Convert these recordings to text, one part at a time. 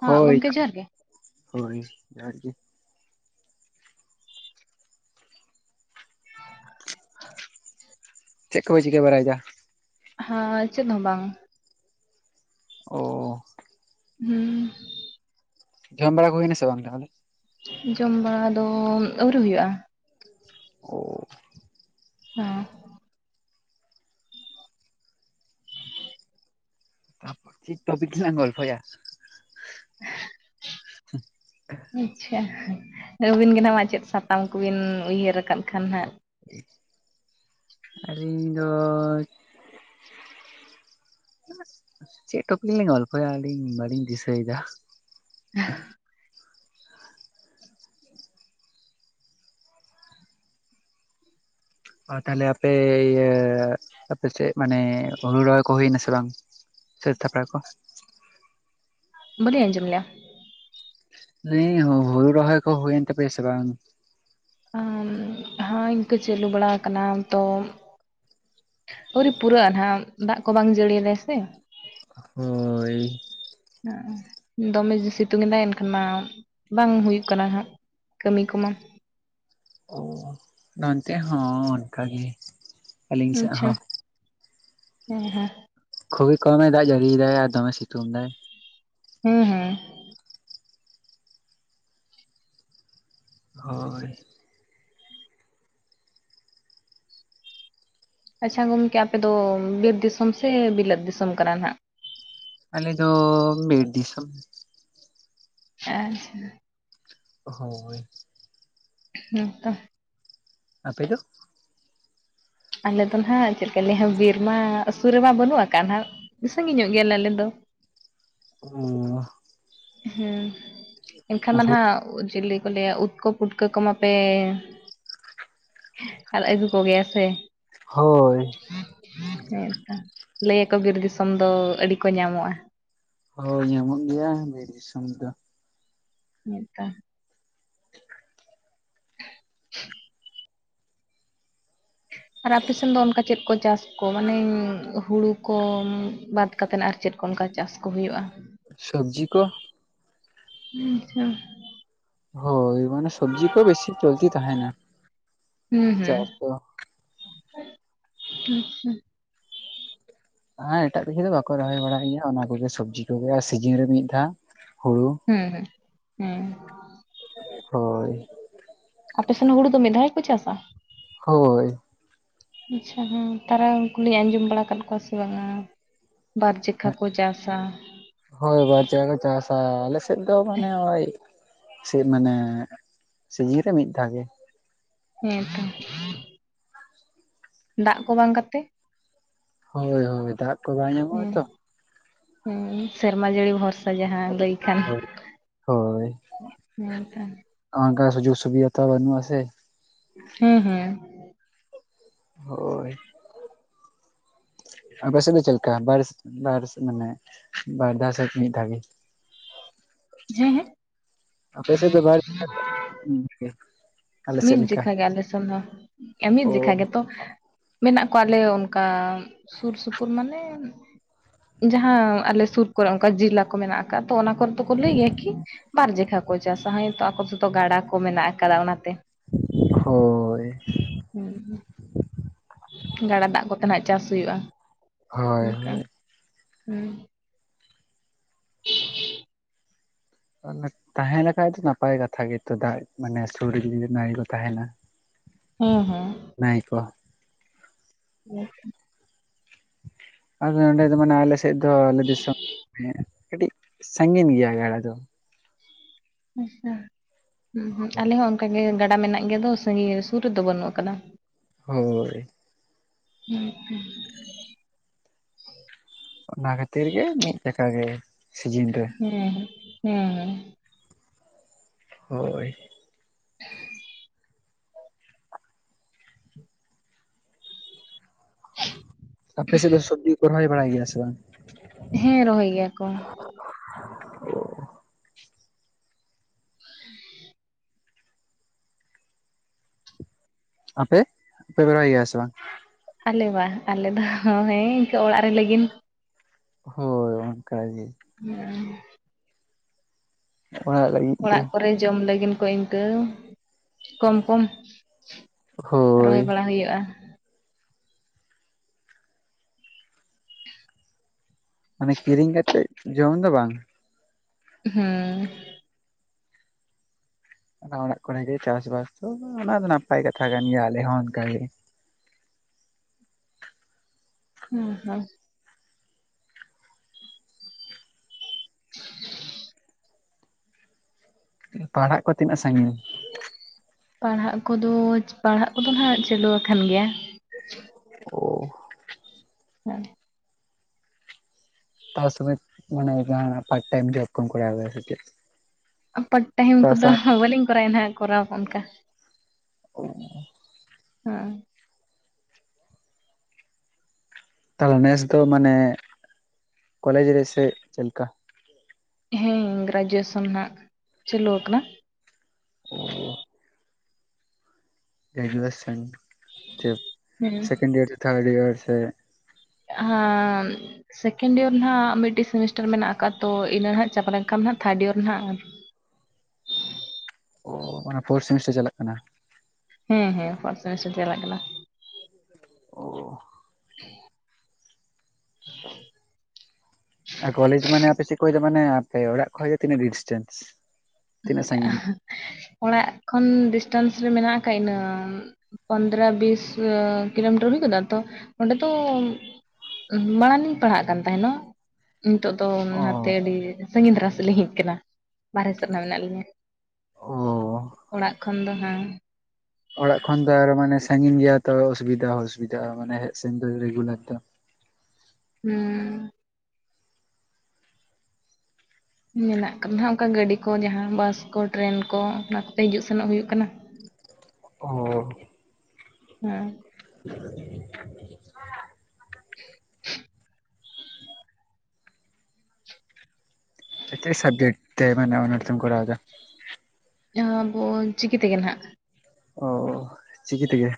ᱦᱟᱸ ᱦᱳᱭ, ᱜᱚᱢᱠᱮ ᱡᱚᱦᱟᱨ ᱜᱮ ᱦᱳᱭ, ᱡᱚᱦᱟᱨ ᱜᱮ᱾ ᱪᱮᱫ ᱠᱚᱯᱮ ᱪᱤᱠᱟᱹ ᱵᱟᱲᱟᱭᱫᱟ? ᱦᱮ, ᱪᱮᱫ ᱦᱚᱸ ᱵᱟᱝ᱾ ᱚ᱾ ᱦᱩᱸ᱾ ᱡᱚᱢ ᱵᱟᱲᱟ ᱠᱚ ᱦᱩᱭᱱᱟ ᱥᱮ ᱵᱟᱝ ᱛᱟᱦᱚᱞᱮ? ᱡᱚᱢ ᱵᱟᱲᱟ ᱫᱚ ᱟᱹᱣᱨᱤ ᱦᱩᱭᱩᱜ-ᱟ᱾ ᱳ᱾ ᱦᱮᱸ᱾ ᱴᱟᱯ ᱪᱮᱫ ᱴᱚᱯᱤᱠ ᱞᱟᱝ ᱜᱚᱞᱯᱷᱚᱭᱟ? [inaudible] ᱟᱪᱪᱷᱟ, ᱟᱹᱵᱤᱱ ᱜᱮ ᱱᱟᱜ ᱢᱟ ᱪᱮᱫ ᱥᱟᱛᱟᱢ ᱠᱚ ᱵᱤᱱ ᱩᱭᱦᱟᱹᱨ ᱟᱠᱟᱫ ᱠᱷᱟᱱ ᱦᱟᱜ ᱾ ᱟᱹᱞᱤᱧ ᱫᱚ ᱪᱮᱫ ᱴᱚᱯᱤᱠ ᱞᱤᱧ ᱜᱚᱞᱯᱚᱭᱟ ᱟᱹᱞᱤᱧ ᱵᱟᱞᱤᱧ ᱫᱤᱥᱟᱹᱭᱮᱫᱟ ᱾ ᱚ ᱛᱟᱦᱞᱮ ᱟᱯᱮ ᱤᱭᱟᱹ, ᱟᱯᱮ ᱥᱮᱫ ᱢᱟᱱᱮ ᱦᱩᱲᱩ ᱨᱚᱦᱚᱭ ᱠᱚ ᱦᱩᱭᱮᱱᱟ ᱥᱮ ᱵᱟᱝ? ᱥᱟᱹᱛ ᱛᱷᱟᱠᱟ ᱠᱚ ᱵᱟᱞᱤᱧ ᱟᱡᱚᱢ ᱞᱮᱜ-ᱟ ᱾ ᱞᱟᱹᱭᱮᱤᱧ ᱦᱩᱲᱩ ᱨᱚᱦᱚᱭ ᱠᱚ ᱦᱩᱭᱮᱱ ᱛᱟᱯᱮᱭᱟ ᱥᱮ ᱵᱟᱝ? ᱩᱸ ᱦᱚᱸᱧ ᱤᱱᱠᱟᱹ ᱪᱟᱹᱞᱩ ᱵᱟᱲᱟ ᱟᱠᱟᱱᱟ ᱛᱚᱢ ᱟᱹᱣᱨᱤ ᱯᱩᱨᱟᱹᱜ ᱱᱟᱸᱜ ᱫᱟᱜ ᱠᱚ ᱵᱟᱝ ᱡᱟᱹᱲᱤᱭ ᱫᱟᱭ ᱥᱮ ᱾ ᱦᱚᱭ ᱾ ᱫᱚᱢᱮ ᱥᱤᱛᱩᱝ ᱮᱫᱟᱭ, ᱮᱱᱠᱷᱟᱱ ᱢᱟ ᱵᱟᱝ ᱦᱩᱭᱩᱜ ᱠᱟᱱᱟ ᱦᱟᱸᱜ ᱾ ᱠᱟᱹᱢᱤ ᱠᱚᱢᱟᱼᱼ ᱚ ᱱᱚᱱᱛᱮ ᱦᱚᱸ ᱚᱱᱠᱟ ᱜᱮ ᱾ ᱟᱪᱪᱷᱟ, ᱦᱮᱸ ᱦᱮᱸ ᱾ ᱠᱷᱩᱵᱤ ᱠᱚᱢᱮ ᱫᱟᱜ ᱡᱟᱹᱲᱤᱭᱮᱫᱟᱭ ᱟᱨ ᱫᱚᱢᱮ ᱥᱤᱛᱩᱝ ᱫᱟᱭ ᱾ ᱦᱩᱸ ᱦᱩᱸ ᱦᱚᱭ ᱾ ᱟᱪᱪᱷᱟ ᱜᱚᱢᱠᱮ, ᱟᱯᱮ ᱫᱚ ᱵᱤᱨ ᱫᱤᱥᱚᱢ ᱥᱮ ᱵᱤᱞᱟᱹᱛ ᱫᱤᱥᱚᱢ ᱠᱟᱱᱟ ᱱᱟᱸᱜ? ᱟᱞᱮ ᱫᱚ ᱵᱤᱨ ᱫᱤᱥᱚᱢ ᱾ ᱟᱪᱪᱷᱟ ᱾ ᱦᱚᱭ ᱾ ᱦᱮᱸ ᱛᱚ ᱾ ᱟᱯᱮ ᱫᱚ? ᱟᱞᱮ ᱫᱚ ᱱᱟᱸᱜ ᱪᱮᱫ ᱞᱮᱠᱟ ᱞᱟᱹᱭᱟ ᱵᱤᱨ ᱢᱟ ᱥᱩᱨ ᱨᱮᱢᱟ ᱵᱟᱹᱱᱩᱜ ᱟᱠᱟᱫ ᱦᱟᱜ ᱥᱟᱺᱜᱤᱧ ᱧᱚᱜ ᱜᱮᱭᱟ ᱞᱮ ᱟᱞᱮ ᱫᱚ ᱾ ᱚᱸ ᱦᱩᱸ ᱮᱱᱠᱷᱟᱱ ᱢᱟ ᱱᱟᱸᱜ ᱡᱤᱞᱤ ᱠᱚ ᱞᱟᱹᱭᱟ ᱩᱫ ᱠᱳ ᱯᱩᱴᱠᱟᱹ ᱠᱚ ᱢᱟᱯᱮ ᱟᱨ ᱟᱹᱜᱩ ᱠᱚᱜᱮᱭᱟ ᱥᱮ? ᱦᱳᱭ ᱾ ᱦᱮᱸᱛᱚ, ᱞᱟᱹᱭᱟ ᱠᱚ ᱵᱤᱨ ᱫᱤᱥᱚᱢ ᱫᱚ ᱟᱹᱰᱤ ᱠᱚ ᱧᱟᱢᱚᱜᱼᱟ ᱾ ᱦᱳᱭ ᱧᱟᱢᱚᱜ ᱜᱮᱭᱟ ᱵᱤᱨ ᱫᱤᱥᱚᱢ ᱫᱚ ᱾ ᱢᱤᱫᱴᱟᱝ ᱾ [unintelligible] ᱟᱨ ᱟᱯᱮ ᱥᱮᱱ ᱫᱚ ᱚᱱᱠᱟ ᱪᱮᱫ ᱠᱚ ᱪᱟᱥᱼᱼ ᱠᱚ ᱢᱟᱱᱮᱧ ᱦᱩᱲᱩ ᱠᱚ ᱵᱟᱫ ᱠᱟᱛᱮᱫ ᱟᱨ ᱪᱮᱫ ᱠᱚ ᱚᱱᱠᱟ ᱪᱟᱥ ᱠᱚ ᱦᱩᱭᱩᱜᱼᱟ? ᱥᱚᱵᱽᱡᱤ ᱠᱚ ᱾ ᱟᱪᱪᱷᱟ ᱾ ᱦᱳᱭ ᱢᱟᱱᱮ ᱥᱚᱵᱽᱡᱤ ᱠᱚ ᱵᱮᱥᱤ ᱪᱚᱞᱛᱤ ᱛᱟᱦᱮᱱᱟ ᱪᱟᱥ ᱫᱚ ᱾ ᱟᱪᱪᱷᱟ ᱾ ᱦᱮᱸ ᱮᱴᱟᱜ ᱠᱤᱪᱷᱩ ᱫᱚ ᱵᱟᱠᱚ ᱨᱚᱦᱚᱭ ᱵᱟᱲᱟᱭ ᱜᱮᱭᱟ, ᱚᱱᱟ ᱠᱚᱜᱮ ᱥᱚᱵᱽᱡᱤ ᱠᱚᱜᱮ ᱟᱨ ᱥᱤᱡᱤᱱ ᱨᱮ ᱢᱤᱫ ᱫᱷᱟᱣ ᱦᱩᱲᱩ ᱾ ᱦᱩᱸ ᱦᱩᱸ ᱾ ᱦᱳᱭ ᱾ ᱟᱯᱮ ᱥᱮᱫ ᱦᱚᱸ ᱦᱩᱲᱩ ᱫᱚ ᱢᱤᱫ ᱫᱷᱟᱣ ᱜᱮ ᱠᱚ ᱪᱟᱥᱟ ᱾ ᱦᱳᱭ ᱾ ᱟᱪᱪᱷᱟ ᱦᱮᱸ ᱛᱟᱨᱟ ᱩᱱᱠᱩ ᱞᱤᱧ ᱟᱸᱡᱚᱢ ᱵᱟᱲᱟ ᱟᱠᱟᱫ ᱠᱚᱣᱟ ᱥᱮ ᱵᱟᱝᱟ ᱾ ᱵᱟᱨ ᱡᱮᱠᱷᱟ ᱠᱚ ᱪᱟᱥᱟ᱾ ᱦᱳᱭ ᱵᱟᱨ ᱡᱮᱠᱷᱟ ᱠᱚ ᱪᱟᱥᱟ, ᱟᱞᱮ ᱥᱮᱫ ᱫᱚ ᱢᱟᱱᱮ ᱳᱭ ᱥᱮ ᱢᱟᱱᱮ ᱥᱤᱡᱤᱱ ᱨᱮ ᱢᱤᱫ ᱫᱷᱟᱣ ᱜᱮ᱾ ᱦᱮᱸ᱾ ᱦᱩᱸ ᱫᱟᱜ ᱠᱚ ᱵᱟᱝ ᱠᱟᱛᱮ ᱦᱳᱭ ᱦᱳᱭ ᱫᱟᱜ ᱠᱚ ᱵᱟᱭ ᱧᱟᱢᱚᱜᱼᱟ ᱛᱚ, ᱦᱩ ᱥᱮᱨᱢᱟ ᱡᱟᱹᱲᱤ ᱵᱷᱚᱨ ᱥᱟ ᱡᱟᱦᱟᱸ ᱞᱟᱹᱭ ᱠᱷᱟᱱ ᱦᱮᱸ ᱛᱚ᱾ ᱚᱝᱠᱟ ᱥᱩᱡᱩᱜᱽ ᱥᱩᱵᱤᱫᱷᱟ ᱛᱚ ᱵᱟᱹᱱᱩᱜ-ᱟ ᱥᱮ᱾ ᱦᱮᱸ ᱦᱮᱸ᱾ ᱦᱳᱭ᱾ ᱟᱯᱮ ᱥᱮᱫ ᱫᱚ ᱪᱮᱫ ᱞᱮᱠᱟ ᱵᱟᱭᱨᱮ ᱥᱮᱫ ᱵᱟᱭᱨᱮ ᱥᱮᱫ ᱢᱟᱱᱮ ᱵᱟᱨ ᱫᱷᱟᱣ ᱥᱮᱫ ᱢᱤᱫ ᱫᱷᱟᱣ ᱜᱮ? [unintelligible] ᱦᱮᱸ ᱦᱮᱸ ᱟᱯᱮ ᱥᱮᱫ ᱫᱚ ᱵᱟ [unintelligible] ᱢᱤᱫ ᱡᱮᱠᱷᱟ ᱜᱮ ᱟᱞᱮ ᱥᱮᱱ ᱦᱚᱸ ᱢᱤᱫ ᱡᱮᱠᱷᱟ ᱚ ᱜᱮᱛᱚ, ᱢᱮᱱᱟᱜ ᱠᱚᱣᱟ ᱟᱞᱮ ᱚᱱᱠᱟ ᱥᱩᱨ ᱥᱩᱯᱩᱨ ᱢᱟᱱᱮ ᱡᱟᱦᱟᱸ ᱟᱞᱮ ᱥᱩᱨ ᱠᱚᱨᱮ ᱚᱱᱠᱟ ᱡᱮᱞᱟ ᱠᱚ ᱢᱮᱱᱟᱜ ᱠᱟᱜ ᱛᱚ ᱚᱱᱟ ᱠᱚᱨᱮ ᱫᱚᱠᱚ ᱞᱟᱹᱭ ᱜᱮᱭᱟ ᱠᱤ ᱵᱟᱨ ᱡᱮᱠᱷᱟ ᱠᱚ ᱪᱟᱥᱟ ᱦᱟᱭ ᱛᱚ ᱟᱠᱚ ᱥᱮᱫ ᱫᱚ ᱜᱟᱰᱟ ᱠᱚ ᱢᱮᱱᱟᱜ ᱠᱟᱫᱟ ᱚᱱᱟᱛᱮ᱾ ᱦᱳᱭ᱾ ᱦᱩᱸ᱾ ᱜᱟᱰᱟ ᱫᱟᱜ ᱠᱚᱛᱮ ᱱᱟᱸᱜ ᱪᱟᱥ ᱦᱩᱭᱩᱜᱼᱟ ᱦᱳᱭ ᱚᱱᱠᱟ ᱦᱳᱭ ᱦᱮᱸ᱾ [inaudible] ᱛᱟᱦᱮᱸ ᱞᱮᱠᱷᱟᱡ ᱫᱚ ᱱᱟᱯᱟᱭ ᱠᱟᱛᱷᱟ ᱜᱮᱛᱚ ᱫᱟᱜ ᱢᱟᱱᱮ ᱥᱩᱨ ᱨᱮ ᱱᱟᱹᱲᱤ ᱠᱚ ᱛᱟᱦᱮᱸᱱᱟ ᱦᱮᱸ ᱦᱮᱸ᱾ ᱱᱟᱹᱭ ᱠᱚ᱾ [inaudible] ᱟᱞᱮ ᱱᱚᱸᱰᱮ ᱫᱚ ᱢᱟᱱᱮ ᱟᱞᱮ ᱥᱮᱫ ᱫᱚ ᱟᱞᱮ ᱫᱤᱥᱚᱢ ᱠᱟᱹᱴᱤᱡ ᱥᱟᱺᱜᱤᱱ ᱜᱮᱭᱟ ᱜᱟᱰᱟ ᱫᱚ᱾ ᱦᱮᱸᱥᱮ ᱦᱩᱸ ᱦᱩᱸ ᱟᱞᱮ ᱦᱚᱸ ᱚᱱᱠᱟ ᱜᱮ ᱜᱟᱰᱟ ᱢᱮᱱᱟᱜ ᱜᱮᱭᱟ ᱫᱚ ᱥᱟᱺᱜᱤ ᱥᱩᱨ ᱨᱮᱫᱚ ᱵᱟᱹᱱᱩᱜ ᱠᱟᱫᱟ᱾ ᱦᱳᱭ᱾ ᱦᱮᱸ ᱛᱚ᱾ ᱚᱱᱟ ᱠᱷᱟᱛᱤᱨ ᱜᱮ ᱢᱤᱫ ᱡᱟᱠᱷᱟ ᱜᱮ ᱥᱤᱡᱤᱱ ᱨᱮ᱾ ᱦᱮᱸ ᱦᱮᱸ᱾ ᱦᱳᱭ᱾ ᱟᱯᱮ ᱥᱮᱫ ᱫᱚ ᱥᱚᱵᱡᱤ ᱠᱚ ᱨᱚᱦᱚᱭ ᱵᱟᱲᱟᱭ ᱜᱮᱭᱟ ᱥᱮ ᱵᱟᱝ? ᱦᱮᱸ ᱨᱚᱦᱚᱭ ᱜᱮᱭᱟ ᱠᱚ᱾ ᱳ᱾ ᱟᱯᱮ ᱟᱯᱮ ᱯᱮ ᱨᱚᱦᱚᱭ ᱜᱮᱭᱟ ᱥᱮ ᱵᱟᱝ? ᱟᱞᱮ ᱵᱟᱝ ᱟᱞᱮ ᱫᱚ ᱦᱮᱸ ᱤᱱᱠᱟᱹ ᱚᱲᱟᱜ ᱨᱮ ᱞᱟᱹᱜᱤᱱᱫ᱾ ᱦᱳᱭ ᱚᱱᱠᱟ ᱜᱮ᱾ ᱦᱩᱹ᱾ ᱚᱲᱟᱜ ᱞᱟᱹᱜᱤᱫ? ᱜᱮ ᱚᱲᱟᱜ ᱠᱚᱨᱮ ᱡᱚᱢ ᱞᱟᱹᱜᱤᱱ ᱠᱚ ᱤᱱᱠᱟᱹ ᱠᱚᱢ ᱠᱚᱢ᱾ ᱦᱳᱭ ᱨᱚᱦᱚᱭ ᱵᱟᱲᱟ ᱦᱩᱭᱩᱜᱼᱟ᱾ ᱢᱟᱱᱮ ᱠᱤᱨᱤᱧ ᱠᱟᱛᱮᱜ ᱡᱚᱢ ᱫᱚ ᱵᱟᱝ? ᱦᱮᱸ᱾ ᱟᱫᱷᱚ ᱚᱲᱟᱜ ᱠᱚᱨᱮ ᱜᱮ ᱪᱟᱥᱵᱟᱥ ᱛᱚ ᱚᱱᱟ ᱫᱚ ᱱᱟᱯᱟᱭ ᱠᱟᱛᱷᱟ ᱠᱟᱱ ᱜᱮᱭᱟ ᱟᱞᱮ ᱦᱚᱸ ᱚᱱᱠᱟᱜᱮ᱾ ᱦᱩᱸ ᱦᱚ᱾ ᱯᱟᱲᱦᱟᱜ ᱠᱚ ᱛᱤᱱᱟᱹᱜ ᱥᱟᱺᱜᱤᱧᱟ? ᱯᱟᱲᱦᱟᱜ ᱠᱚᱫᱚ, ᱯᱟᱲᱦᱟᱜ ᱠᱚᱫᱚ ᱦᱟᱜ ᱪᱟᱹᱞᱩᱣᱟ ᱟᱠᱟᱱ ᱜᱮᱭᱟ᱾ ᱚ᱾ ᱦᱚᱭ᱾ ᱛᱟᱥᱨᱮ ᱢᱟᱱᱮ ᱡᱟᱦᱟᱱᱟᱜ ᱯᱟᱴ ᱴᱟᱭᱤᱢ ᱡᱚᱵ ᱠᱚᱢ ᱠᱚᱭᱟᱣ ᱜᱮᱭᱟ ᱥᱮ ᱪᱮᱫ? ᱟᱯᱟᱨᱴ ᱴᱟᱭᱤᱢ ᱛᱟ ᱠᱚᱫᱚ ᱥᱟᱶᱛᱮ ᱦᱟᱸᱜ ᱵᱟᱹᱞᱤᱧ ᱠᱚᱨᱟᱣᱮᱜ ᱱᱟᱦᱟᱸᱜ ᱠᱚᱨᱟᱣ ᱚᱱᱠᱟ᱾ ᱦᱮᱸ᱾ ᱛᱟᱞᱦᱮ ᱱᱮᱥ ᱫᱚ ᱢᱟᱱᱮ ᱠᱚᱞᱮᱡᱽ ᱨᱮᱥᱮ ᱪᱮᱫ ᱞᱮᱠᱟ? ᱦᱮᱸ ᱜᱨᱟᱡᱩᱭᱮᱥᱚᱱ ᱱᱟᱦᱟᱜ ᱪᱟᱹᱞᱩᱣ ᱟᱠᱟᱱᱟ᱾ [inaudible] ᱜᱨᱮᱡᱩᱭᱮᱥᱚᱱ ᱪᱮᱫ ᱦᱮᱸ ᱥᱮᱠᱮᱱᱰ ᱤᱭᱟᱨ ᱥᱮ ᱴᱷᱟᱨᱰ ᱤᱭᱟᱨ ᱥᱮ ᱦᱟᱸᱢ ᱥᱮᱠᱮᱱᱰ ᱤᱭᱟᱨ ᱨᱮ ᱱᱟᱦᱟᱜ ᱢᱤᱫᱴᱤᱡ ᱥᱮᱢᱤᱥᱴᱟᱨ ᱢᱮᱱᱟᱜ ᱟᱠᱟᱫ ᱛᱚ ᱤᱱᱟᱹ ᱱᱟᱦᱟᱜ ᱪᱟᱵᱟ ᱞᱮᱱ ᱠᱷᱟᱱ ᱱᱟᱦᱟᱜ ᱛᱷᱟᱨᱰ ᱤᱭᱟᱨ ᱨᱮ ᱱᱟᱦᱟᱜ ᱚ ᱢᱟᱱᱮ ᱯᱷᱳᱨ ᱥᱮᱢᱤᱥᱴᱟᱨ ᱪᱟᱞᱟᱜ ᱠᱟᱱᱟ᱾ ᱦᱮᱸ ᱦᱮᱸ ᱯᱷᱳᱥ ᱥᱮᱢᱤᱥᱴᱟᱨ ᱪᱟᱞᱟᱜ ᱠᱟᱱᱟ᱾ ᱚ᱾ [inaudible] ᱟᱨ ᱠᱚᱞᱮᱡᱽ ᱢᱟᱱᱮ ᱟᱯᱮ ᱪᱮᱫ ᱠᱷᱚᱡ ᱫᱚ ᱢᱟᱱᱮ ᱟᱯᱮ ᱚᱲᱟᱜ ᱠᱷᱚᱡ ᱛᱤᱱᱟᱹᱜ ᱰᱤᱥᱴᱮᱱᱥ ᱛᱤᱱᱟᱹᱜ ᱥᱟᱜᱤᱧ? ᱚᱲᱟᱜ ᱠᱷᱚᱱ ᱰᱤᱥᱴᱮᱱᱥ ᱨᱮ ᱢᱮᱱᱟᱜ ᱟᱠᱟ ᱤᱱᱟᱹᱢ ᱯᱚᱱᱫᱽᱨᱚ-ᱵᱤᱥ ᱠᱤᱞᱳᱢᱤᱴᱟᱨ ᱦᱩᱭ ᱜᱚᱫᱚᱜ-ᱟᱛᱚ ᱚᱸᱰᱮ ᱫᱚ ᱩᱸᱢ ᱢᱟᱲᱟᱝᱞᱤᱧ ᱯᱟᱲᱦᱟᱜ ᱠᱟᱱ ᱛᱟᱦᱮᱱᱚ᱾ ᱱᱤᱛᱚᱜ ᱫᱚ ᱚ ᱱᱟᱛᱮ ᱟᱹᱰᱤ ᱥᱟᱺᱜᱤᱧ ᱫᱷᱟᱨᱟ ᱥᱮᱫᱞᱤᱧ ᱦᱮᱡ ᱟᱠᱟᱱᱟ᱾ ᱱᱤᱛᱚᱜ ᱱᱟᱦᱟᱜ ᱢᱮᱱᱟᱜ ᱞᱤᱧᱟᱹ ᱚ ᱚᱲᱟᱜ ᱠᱷᱚᱱ ᱫᱚ ᱦᱟᱸᱜ ᱚᱲᱟᱜ ᱠᱷᱚᱱ ᱫᱚ ᱟᱨᱚ ᱢᱟᱱᱮ ᱥᱟᱺᱜᱤᱧ ᱜᱮᱭᱟ ᱛᱚ ᱚᱥᱩᱵᱤᱫᱟ ᱦᱚᱸ ᱚᱥᱩᱵᱤᱫᱟ ᱢᱟᱱᱮ ᱦᱮᱡ ᱥᱮᱱ ᱫᱚ ᱨᱮᱜᱩᱞᱟᱨ ᱫᱚ᱾ ᱦᱩᱸ᱾ ᱢᱮᱱᱟᱜ ᱠᱟᱫᱟ ᱦᱟᱸᱜ ᱚᱱᱠᱟ ᱜᱟᱹᱰᱤ ᱠᱚ ᱡᱟᱦᱟᱸ ᱵᱟᱥ ᱠᱚ, ᱴᱨᱮᱱ ᱠᱚ, ᱚᱱᱟ ᱠᱚᱛᱮ ᱦᱤᱡᱩᱜ ᱥᱮᱱᱚᱜ ᱦᱩᱭᱩᱜ ᱠᱟᱱᱟ᱾ ᱚ᱾ ᱦᱮᱸ᱾ [inaudible] [inaudible] ᱪᱮᱫ ᱥᱟᱵᱡᱮᱠᱴ ᱛᱮ ᱢᱟᱱᱮ ᱚᱱᱟᱨᱥ ᱮᱢ ᱠᱚᱨᱟᱣᱫᱟ? ᱡᱟᱦᱟᱸ ᱟᱵᱚ ᱪᱤᱠᱤ ᱛᱮᱜᱮ ᱱᱟᱦᱟᱜ᱾ ᱚᱻ᱾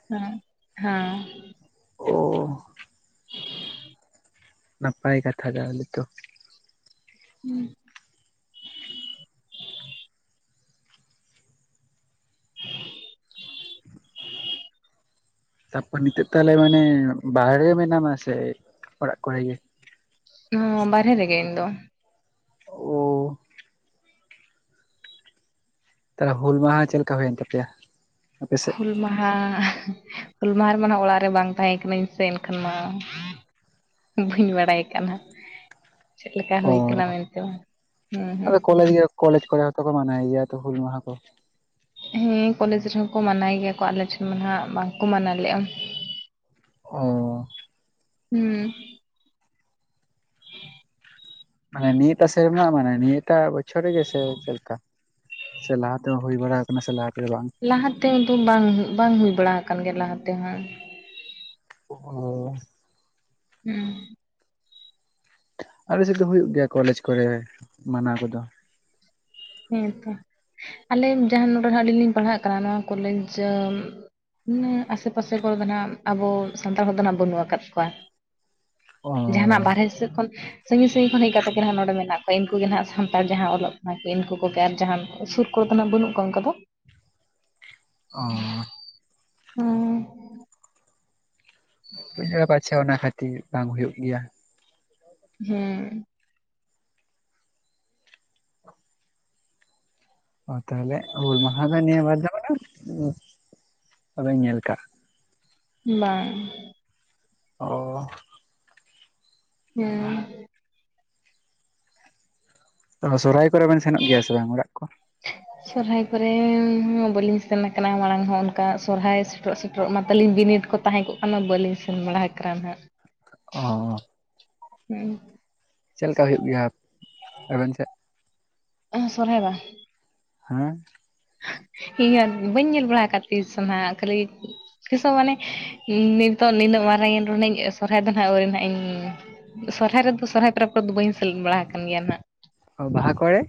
ᱦᱮᱸ ᱦᱚᱸ᱾ ᱚ᱾ [inaudible] ᱱᱟᱯᱟᱭ ᱠᱟᱛᱷᱟ ᱛᱟᱦᱚᱞᱮ ᱛᱚ᱾ ᱦᱩᱸ᱾ ᱛᱟᱯᱚᱨ ᱱᱤᱛᱚᱜ ᱛᱟᱦᱚᱞᱮ ᱢᱟᱱᱮ ᱵᱟᱦᱨᱮ ᱨᱮ ᱢᱮᱱᱟᱢᱟ ᱥᱮ ᱚᱲᱟᱜ ᱠᱚᱨᱮ ᱜᱮ? ᱦᱚᱸ ᱵᱟᱦᱨᱮ ᱨᱮᱜᱮ ᱤᱧ ᱫᱚ ᱾ ᱩᱸ ᱛᱟᱦᱚᱞᱮ ᱦᱩᱞ ᱢᱟᱦᱟ, ᱪᱮᱫ ᱞᱮᱠᱟ ᱦᱩᱭᱮᱱ ᱛᱟᱯᱮᱭᱟ? ᱟᱯᱮ ᱥᱮᱫ? ᱦᱩᱞ ᱢᱟᱦᱟ, ᱦᱩᱞ ᱢᱟᱦᱟ ᱨᱮᱢᱟ ᱚᱲᱟᱜ ᱨᱮ ᱵᱟᱝ ᱛᱟᱦᱮᱸ ᱠᱟᱱᱟᱹᱧ ᱥᱮ, ᱮᱱᱠᱷᱟᱱ ᱢᱟ ᱵᱟᱹᱧ ᱵᱟᱲᱟᱭ ᱠᱟᱱᱟ᱾ ᱪᱮᱫ ᱞᱮᱠᱟ ᱚ ᱦᱩᱭ ᱠᱟᱱᱟ᱾ ᱢᱮᱱᱛᱮ ᱦᱩᱸ ᱦᱩᱸ ᱟᱫᱚ ᱾ ᱠᱚᱞᱮᱡᱽ ᱜᱮ ᱠᱚᱞᱮᱡᱽ ᱠᱚᱨᱮ ᱦᱚᱛ ᱠᱚ ᱢᱟᱱᱟᱭ ᱜᱮᱭᱟ᱾ ᱛᱚ ᱦᱩᱞ ᱢᱟᱦᱟ ᱠᱚ? ᱦᱩᱸ ᱠᱚᱞᱮᱡᱽ ᱨᱮᱦᱚᱸ ᱠᱚ ᱢᱟᱱᱟᱣ ᱜᱮᱭᱟ᱾ ᱠᱚ ᱟᱞᱮ ᱴᱷᱮᱱ ᱢᱟ ᱵᱟᱝ ᱠᱚ ᱢᱟᱱᱟᱣ ᱞᱮᱜᱼᱟ? ᱚ ᱦᱩᱸ ᱢᱟᱱᱮ ᱱᱤᱭᱟᱹᱯᱟᱥᱮᱨ ᱨᱮᱱᱟᱜ ᱢᱟᱱᱮ, ᱱᱤᱭᱟᱹᱴᱟᱜ ᱵᱚᱪᱷᱚᱨ ᱨᱮᱜᱮ ᱥᱮ ᱪᱮᱫ ᱞᱮᱠᱟ? ᱥᱮ ᱞᱟᱦᱟ ᱛᱮ-ᱦᱚᱸ ᱦᱩᱭ ᱵᱟᱲᱟ ᱟᱠᱟᱱᱟ᱾ ᱥᱮ ᱞᱟᱦᱟᱛᱮ ᱵᱟᱝ? ᱞᱟᱦᱟᱛᱮ ᱫᱚ ᱵᱟᱝ, ᱵᱟᱝ ᱦᱩᱭ ᱵᱟᱲᱟ ᱟᱠᱟᱱ ᱜᱮᱭᱟ᱾ ᱞᱟᱦᱟ ᱛᱮ ᱦᱚᱸ ᱾ ᱚ ᱦᱩᱸ ᱟᱞᱮ ᱥᱮᱫ ᱫᱚ ᱦᱳᱭ ᱜᱮᱭᱟ ᱾ ᱠᱚᱞᱮᱡᱽ ᱠᱚᱨᱮ ᱢᱟᱱᱟᱣ ᱠᱚᱼᱫᱚ ᱾ ᱦᱮᱸᱛᱚ ᱟᱞᱮ ᱡᱟᱦᱟᱸ ᱱᱚᱰᱮᱟᱸ ᱟᱹᱞᱤᱧ ᱞᱤᱧ ᱯᱟᱲᱦᱟᱜ ᱠᱟᱱᱟ᱾ ᱱᱚᱣᱟ ᱠᱚᱞᱮᱡᱽ ᱦᱩᱸ ᱟᱥᱮ ᱯᱟᱥᱮ ᱠᱚᱨᱮ ᱫᱚ ᱱᱟᱜ, ᱟᱵᱚ ᱥᱟᱱᱛᱟᱲ ᱦᱚᱲ ᱫᱚ ᱱᱟᱜ ᱵᱟᱹᱱᱩᱜ ᱟᱠᱟᱫ ᱠᱚᱣᱟ ᱾ ᱚ ᱡᱟᱦᱟᱱᱟᱜ ᱵᱟᱨᱦᱮ ᱥᱮᱫ ᱠᱷᱚᱱ ᱥᱟᱺᱜᱤᱧ ᱼ ᱥᱟᱺᱜᱤᱧ ᱠᱷᱚᱱ ᱦᱮᱡ ᱠᱟᱛᱮᱜ ᱜᱮ, ᱱᱟᱦ ᱱᱚᱰᱮ ᱢᱮᱱᱟᱜ ᱠᱚᱣᱟ ᱾ᱤᱱᱠᱩᱜᱮ ᱱᱟᱦ ᱥᱟᱱᱛᱟᱲ ᱡᱟᱦᱟᱸ ᱚᱞᱚᱜ ᱯᱚ ᱤᱱᱠᱩ ᱠᱚᱜᱮ ᱟᱨ ᱡᱟᱦᱟᱸᱟᱱ᱾ ᱥᱩᱨ ᱠᱚᱨᱮ ᱫᱚ ᱱᱟᱜ ᱵᱟᱹᱱᱩᱜ ᱠᱚᱣᱟ ᱚᱱᱠᱟ ᱫᱚ ᱾ ᱚ ᱦᱩᱸ ᱦᱮᱸ [inaudible] ᱞᱟᱸᱭᱮᱟ ᱯᱟᱪᱷᱮ ᱚᱱᱟ ᱠᱷᱟᱛᱤᱨ ᱵᱟᱝ ᱦᱩᱭᱩᱼᱜ ᱜᱮᱭᱟ ᱾ ᱦᱩᱸ ᱛᱟᱦᱚᱞᱮ ᱦᱩᱞ ᱢᱟᱦᱟ ᱫᱚ ᱱᱤᱭᱟᱹ ᱵᱟᱨ ᱫᱚ ᱵᱟᱵᱮᱱ ᱧᱮᱞ ᱠᱟᱜ? ᱵᱟᱝ ᱾ ᱚ ᱦᱩᱸ ᱚᱱᱟ ᱥᱚᱨᱦᱟᱭ ᱠᱚᱨᱮ ᱵᱮᱱ, ᱥᱮᱱᱚᱜ ᱜᱮᱭᱟ ᱥᱮ ᱵᱟᱝ ᱚᱲᱟᱜ ᱠᱚ? ᱦ [inaudible] ᱥᱚᱨᱚᱦᱟᱭ ᱠᱚᱨᱮ ᱦᱚᱸ, ᱵᱟᱹᱞᱤᱧ ᱥᱮᱱ ᱟᱠᱟᱱᱟ ᱢᱟᱲᱟᱝ ᱦᱚᱸ ᱚᱱᱠᱟ, ᱥᱚᱨᱦᱟᱭ ᱥᱮᱴᱮᱨᱚᱜ ᱼᱥᱮᱴᱮᱨᱚᱜ ᱢᱟ ᱛᱟᱹᱟᱞᱤᱧ ᱵᱤᱱᱤᱰ ᱠᱚ ᱛᱟᱦᱮᱸ ᱠᱚᱜ ᱠᱟᱱᱟ ᱾ᱵᱟᱹᱞᱤᱧ ᱥᱮᱱ ᱵᱟᱲᱟ ᱠᱟᱜ ᱱᱟᱜ ᱚ ᱦᱩᱸ ᱪᱮᱫ ᱞᱮᱠᱟ ᱦᱩᱭᱩᱜ ᱜᱮᱭ-ᱟ ᱾ᱟᱵᱮᱱ ᱥᱮᱫ? ᱟ ᱥᱚᱨᱦᱟᱭ ᱵᱟᱝ? ᱦᱩᱸ ᱤᱭᱟᱹ ᱵᱟᱹᱧ ᱧᱮᱞ ᱵᱟᱲᱟ ᱟᱠᱟᱫ ᱛᱤᱥ ᱦᱚᱸ ᱵᱟ ᱠᱷᱟᱹᱞᱤ ᱛᱤᱥ ᱦᱚᱸ ᱢᱟᱱᱮ, ᱱᱤᱛᱚᱜ ᱱᱤᱱᱟᱹᱜ ᱢᱟᱨᱟᱝ ᱼᱮᱱ ᱨᱮᱦᱚᱸᱧ ᱥᱚᱨᱦᱟᱭ ᱫᱚ ᱱᱟᱸᱜ ᱟᱣᱨᱤᱧ ᱱᱟᱜᱼ ᱤᱧ ᱥᱚᱨᱦᱟᱭ ᱨᱮᱫᱚ ᱥᱚᱨᱦᱟᱭ ᱯᱚᱨᱚᱵᱽ ᱠᱚᱨᱮ ᱫᱚ, ᱵᱟᱹᱧ ᱥᱮᱞᱮᱫ ᱵᱟᱲᱟ ᱟᱠᱟᱱ ᱜᱮᱭᱟ ᱾ᱱᱟᱜ ᱚ ᱵᱟᱦᱟ ᱠᱚᱨᱮ?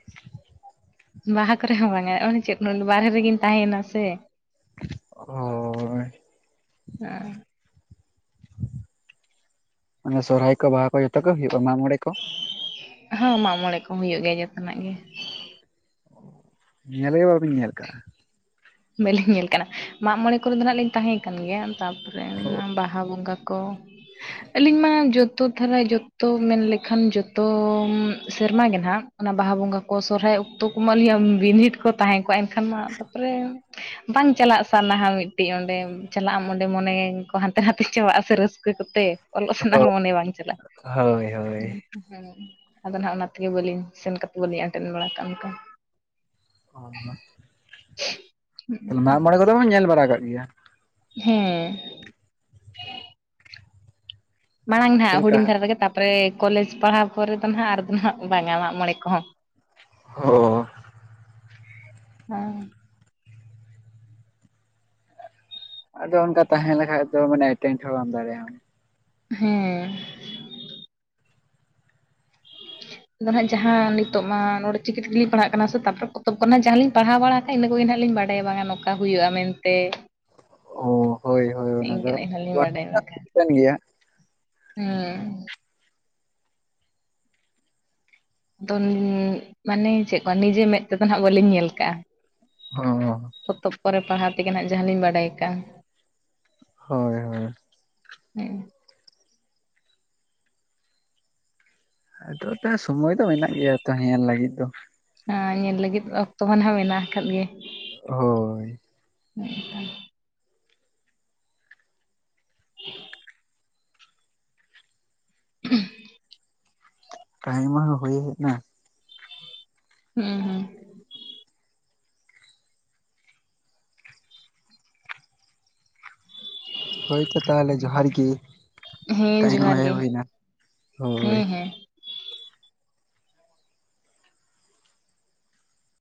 ᱵᱟᱦᱟ ᱠᱚᱨᱮ ᱦᱚᱸ ᱵᱟᱝ ᱟ ᱾ᱚᱱᱮ ᱪᱮᱫ ᱵᱟᱦᱨᱮ ᱨᱮᱜᱮᱧ ᱛᱟᱦᱮᱭᱮᱱᱟ ᱥᱮ ᱳᱳ ᱚᱸ ᱢᱟᱱᱮ ᱥᱚᱨᱦᱟᱭ ᱠᱚ ᱵᱟᱦᱟ ᱠᱚ ᱡᱚᱛᱚ ᱜᱮ ᱦᱩᱭᱩᱜᱼᱟ ᱢᱟᱜ ᱢᱚᱬᱮ ᱠᱚ? ᱦᱟᱸ ᱢᱟᱜ ᱢᱚᱬᱮ ᱠᱚ ᱦᱩᱭᱩᱜ ᱜᱮᱭᱟ ᱡᱚᱛᱚᱱᱟᱜ ᱜᱮ ᱾ ᱧᱮᱞᱜᱮ ᱵᱟᱵᱤᱧ ᱧᱮᱞ ᱟᱠᱟᱜᱼᱟ ᱾ ᱵᱟᱹᱞᱤᱧ ᱧᱮᱞ ᱠᱟᱱᱟ ᱢᱟᱜ ᱢᱚᱬᱮ ᱠᱚ ᱫᱚ ᱦᱟᱜ ᱞᱤᱧ ᱛᱟᱦᱮᱸ ᱠᱟᱱᱟᱱ ᱜᱮᱭᱟ ᱛᱟᱯᱚᱨᱮ, [unintelligible] ᱵᱟᱦᱟ ᱵᱚᱸᱜᱟ ᱠᱚ, ᱟᱹᱞᱤᱧ ᱢᱟ ᱡᱚᱛᱚ ᱫᱷᱟᱨᱟ ᱡᱚᱛᱚ ᱢᱮᱱ ᱞᱮᱠᱷᱟᱱ ᱡᱚᱛᱚᱢᱻ ᱥᱮᱨᱢᱟ ᱜᱮ ᱦᱮᱱᱟᱜ, ᱚᱱᱟ ᱵᱟᱦᱟ ᱵᱚᱸᱜᱟ ᱠᱚ ᱥᱚᱨᱦᱟᱭ ᱚᱠᱛᱚ ᱠᱚᱢᱟ ᱟᱞᱤᱭᱟᱢ ᱵᱤᱱᱤᱰ ᱠᱚ ᱛᱟᱦᱮᱸ ᱠᱚᱜᱼᱟ ᱮᱱᱠᱷᱟᱱ ᱢᱟ ᱛᱟᱯᱚᱨᱮ, ᱵᱟᱝ ᱪᱟᱞᱟᱜ ᱥᱟᱨᱱᱟᱦᱟ ᱢᱤᱫᱴᱤᱡ ᱚᱸᱰᱮ ᱾ ᱪᱟᱞᱟᱜ ᱟᱢ ᱚᱸᱰᱮ ᱢᱚᱱᱮ ᱠᱚ ᱦᱟᱱᱛᱮ ᱱᱟᱛᱮ ᱪᱟᱵᱟᱜᱼᱟᱥᱮ ᱨᱟᱹᱥᱠᱟᱹ ᱠᱚᱛᱮ ᱾ ᱚᱞᱚᱜ ᱥᱮᱱᱟᱜ ᱚ ᱢᱚᱱᱮ ᱵᱟᱝ ᱪᱟᱞᱟᱜ ᱦᱳᱭ ᱦᱳᱭ ᱾ [unintelligible] ᱟᱫᱚ ᱱᱟᱜ ᱚᱱᱟ ᱛᱮᱜᱮ ᱵᱟᱹᱞᱤᱧ ᱥᱮᱱ ᱠᱟᱛᱮ ᱵᱟᱹᱞᱤᱧ ᱮᱴᱮᱱ ᱵᱟᱲᱟ ᱠᱟᱜᱼᱟ ᱚᱝᱠᱟ ᱾ [inaudible] [unintelligible] ᱢᱟᱜ ᱢᱚᱬᱮ ᱠᱚᱫᱚ ᱵᱚᱱ ᱧᱮᱞ ᱵᱟᱲᱟ ᱠᱟᱜ ᱜᱮᱭᱟ? ᱦᱮᱸ ᱢᱟᱲᱟᱝ ᱪᱮᱫ ᱱᱟᱦᱟᱜ ᱞᱮᱠᱟ ᱦᱩᱰᱤᱧ ᱫᱷᱟᱨᱟ ᱨᱮᱜᱮ ᱛᱟᱨᱯᱚᱨᱮ ᱠᱚᱞᱮᱡᱽ ᱯᱟᱲᱦᱟᱣ ᱯᱚᱲᱮ ᱫᱚ ᱱᱟᱦᱟᱜ ᱟᱨᱫᱚ ᱱᱟᱜ ᱵᱟᱝᱟ ᱢᱟᱜ ᱢᱚᱬᱮ ᱠᱚᱦᱚᱸ ᱾ [inaudible] [inaudible] ᱟᱫᱚ ᱚᱝᱠᱟ ᱛᱟᱦᱮ ᱞᱮᱠᱷᱟᱡ ᱫᱚ ᱢᱟᱱ ᱴᱮᱱᱴ ᱦᱚᱸ ᱵᱟᱢ ᱫᱟᱲᱮᱜᱼᱟᱢ ᱾ ᱦᱮᱸ᱾ [inaudible] ᱟᱫᱚ ᱦᱟᱸᱜ ᱡᱟᱦᱟᱸ ᱱᱤᱛᱚᱜ ᱢᱟ ᱚᱨᱪᱤᱠᱤ ᱛᱮᱞᱤ ᱯᱟᱲᱦᱟᱜ ᱠᱟᱱᱟ ᱥᱮ ᱛᱟᱨᱯᱚᱨᱮ ᱯᱚᱛᱚᱵ ᱠᱚᱱᱟ ᱡᱟᱦᱟᱸ ᱞᱤᱧ ᱯᱟᱲᱦᱟᱣ ᱵᱟᱲᱟ ᱤᱱᱟᱹ ᱠᱚᱜᱮ ᱱᱟᱜ ᱞᱤᱧ ᱵᱟᱰᱟᱭᱟ ᱵᱟᱝᱟ ᱱᱚᱝᱠᱟ ᱦᱩᱭᱩᱜᱼᱟ ᱢᱮᱱᱛᱮ ᱾ ᱚ ᱦᱳᱭ ᱦᱳᱭ ᱵᱟᱰᱟᱭ ᱵᱟᱠᱷᱟᱱ [inaudible] ᱜᱮᱭᱟ ᱾ ᱦᱮᱸ ᱫᱚᱱ ᱢᱟᱱᱮ ᱪᱮᱫ ᱠᱚᱣᱟ ᱱᱤᱡᱮ ᱢᱮᱫ ᱛᱮᱫᱚ ᱦᱟᱜ ᱵᱟᱹᱞᱤᱧ ᱧᱮᱞ ᱠᱟᱜᱼᱟ ᱚ ᱾ ᱯᱚᱛᱚᱵ ᱠᱚᱨᱮ ᱯᱟᱲᱦᱟᱣ ᱛᱮᱜᱮ ᱱᱟᱜ ᱡᱟᱦᱟᱸ ᱞᱤᱧ ᱵᱟᱰᱟᱭ ᱠᱟᱜ ᱾ ᱦᱳᱭ ᱦᱳᱭ ᱾ [inaudible] ᱟᱫᱚ ᱛᱟ ᱥᱚᱢᱚᱭ ᱫᱚ ᱢᱮᱱᱟᱜ ᱜᱮᱭᱟ ᱛᱚ ᱦᱮᱞ ᱞᱟᱹᱜᱤᱫ ᱫᱚ ᱾ ᱦᱮᱸ ᱧᱮᱞ ᱞᱟᱹᱜᱤᱫ ᱚᱠᱛᱚ ᱦᱟᱱᱟ ᱢᱮᱱᱟᱜ ᱟᱠᱟᱫ ᱜᱮ ᱾ ᱦᱳᱭ ᱾ [inaudible] [unintelligible] ᱴᱟᱭᱤᱢ ᱦᱚᱸ ᱦᱩᱭ ᱦᱮᱡᱱᱟ ᱾ [inaudible] ᱦᱳᱭ ᱛᱚ ᱛᱟᱦᱟᱞᱮ ᱡᱚᱦᱟᱨ ᱜᱤ ᱦᱮᱸ ᱴᱟᱭᱤᱢ ᱡᱚᱦᱟᱨ ᱦᱮ ᱜᱮ ᱦᱩᱭ ᱱᱟ ᱦᱳᱭ ᱦᱮᱸ ᱾ ᱦᱮᱸ